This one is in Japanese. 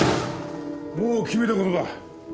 もう決めた事だ。